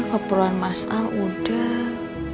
keperluan mas al udah